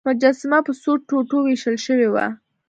مجسمه په څو ټوټو ویشل شوې وه.